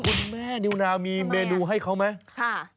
คุณแม่นิวนาวมีเมนูให้เขาไหม